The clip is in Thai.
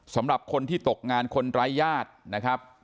สำหรับคนที่ตกงานคนไร้ญาตินะครับ